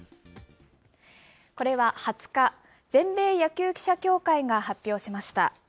これは２０日、全米野球記者協会が発表しました。